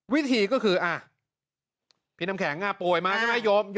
วิธีก็คือพี่น้ำแข็งป่วยมา